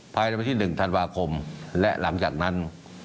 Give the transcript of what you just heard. ภายในวันที่๑ธันวาคมและหลังจากนั้น